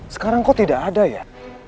sekarang kok tidak ada ya